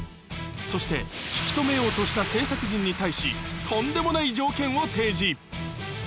そして引き止めようとした制作陣に対し、とんでもない条件を提示。